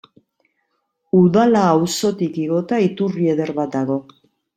Udala auzotik igota iturri eder bat dago.